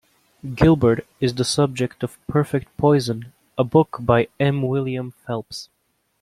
Gilbert is the subject of "Perfect Poison", a book by M. William Phelps.